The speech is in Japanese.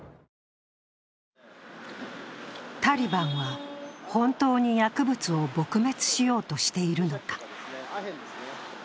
タリバンは本当に薬物を撲滅しようとしているのか。